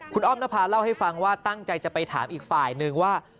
คุณอ้อมนภาเล่าให้ฟังว่าตั้งใจจะไปถามอีกฝ่ายนึงว่า